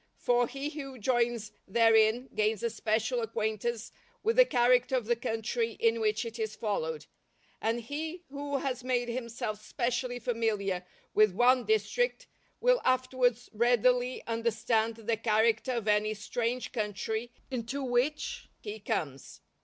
For he who joins therein gains a special acquaintance with the character of the country in which it is followed; and he who has made himself specially familiar with one district, will afterwards readily understand the character of any strange country into which he comes.